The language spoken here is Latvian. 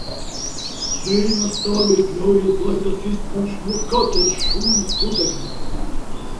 Vējā stāviet, ļaujiet, lai tas izpūš no katras šūnas putekļus.